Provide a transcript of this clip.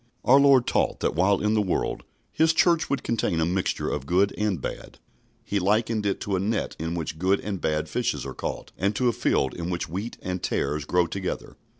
Our Lord taught that while in the world His Church would contain a mixture of good and bad. He likened it to a net in which good and bad fishes are caught, and to a field in which wheat and tares grow together.